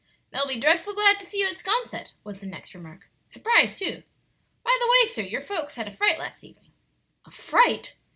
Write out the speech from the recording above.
"They'll be dreadful glad to see you at 'Sconset," was the next remark; "surprised, too. By the way, sir, your folks had a fright last evening." "A fright?"